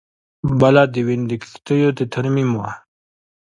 بله د وین د کښتیو د ترمیم وه